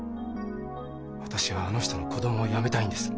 私はあの人の子供をやめたいんです。